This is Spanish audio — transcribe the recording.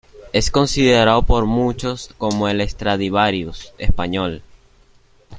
Es considerado por muchos como el Stradivarius español.